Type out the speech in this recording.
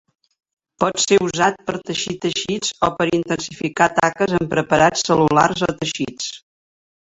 Pot ser usat per teixir teixits o per intensificar taques en preparats cel·lulars o teixits.